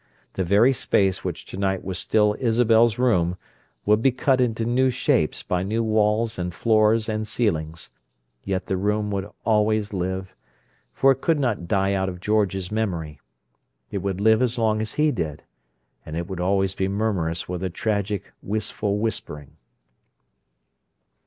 The very space which tonight was still Isabel's room would be cut into new shapes by new walls and floors and ceilings; yet the room would always live, for it could not die out of George's memory. It would live as long as he did, and it would always be murmurous with a tragic, wistful whispering.